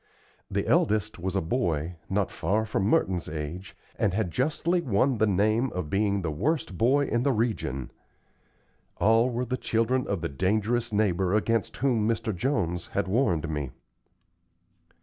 The eldest was a boy, not far from Merton's age, and had justly won the name of being the worst boy in the region. All were the children of the dangerous neighbor against whom Mr. Jones had warned me.